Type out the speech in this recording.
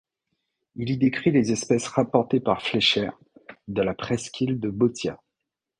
Il y décrit les espèces rapportées par Fleischer de la presqu'île de Boothia.